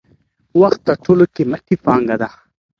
وخت تر ټولو قیمتی پانګه ده.